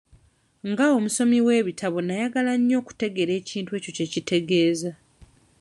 Nga omusomi w'ebitabo nnayagala nnyo okutegeera ekintu ekyo kye kitegeeza.